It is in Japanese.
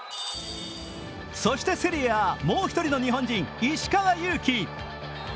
そしてセリエＡもう１人の日本人、石川祐希。